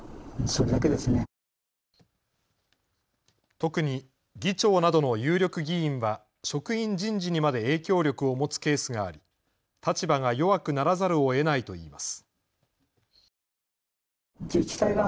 特に議長などの有力議員は職員人事にまで影響力を持つケースがあり立場が弱くならざるをえないといいます。